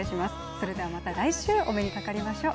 それではまた来週お目にかかりましょう。